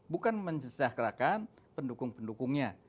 bukan mensejahterakan pendukung pendukungnya